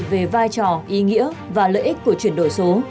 về vai trò ý nghĩa và lợi ích của chuyển đổi số